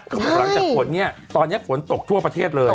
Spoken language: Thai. หลังจากฝนเนี่ยตอนนี้ฝนตกทั่วประเทศเลย